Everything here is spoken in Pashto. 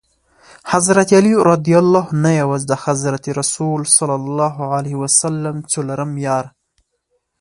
حضرت علي رض نه یوازي د حضرت رسول ص څلورم یار.